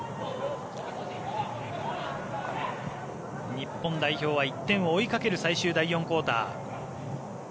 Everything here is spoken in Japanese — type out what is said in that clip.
日本代表は１点を追いかける最終第４クオーター。